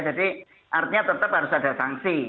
jadi artinya tetap harus ada sanksi